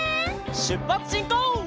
しゅっぱつしんこう！